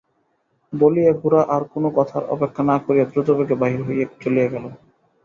বলিয়া গোরা আর-কোনো কথার অপেক্ষা না করিয়া দ্রুতবেগে বাহির হইয়া চলিয়া গেল।